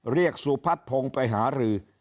เรียกสุพัฒน์พงษ์ไปหาหรือ